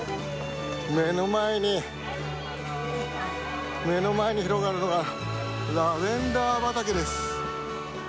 目の前に、目の前に広がるのはラベンダー畑です。